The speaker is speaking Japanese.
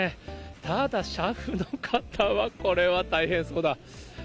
ただ、車夫の方は、これは大変そうだ。